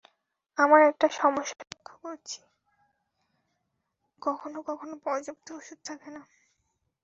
আমরা একটা সমস্যা লক্ষ করেছি, কখনো কখনো পর্যাপ্ত ওষুধ থাকে না।